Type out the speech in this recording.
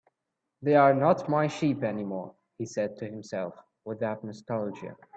"They're not my sheep anymore," he said to himself, without nostalgia.